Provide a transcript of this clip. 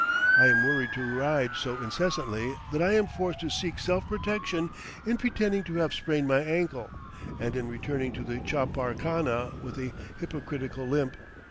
I am worried to ride so incessantly that I am forced to seek self protection in pretending to have sprained my ankle, and in returning to the chapar khana with a hypocritical limp.